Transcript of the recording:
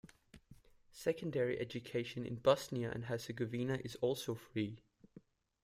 Secondary education in Bosnia and Herzegovina is also free.